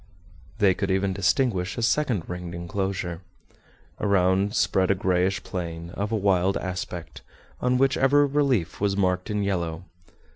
They could even distinguish a second ringed enclosure. Around spread a grayish plain, of a wild aspect, on which every relief was marked in yellow.